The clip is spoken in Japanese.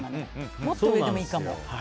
もっと上でもいいかな。